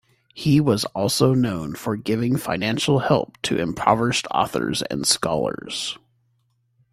He was also known for giving financial help to impoverished authors and scholars.